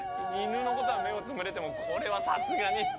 犬のことは目をつむれてもこれはさすがに。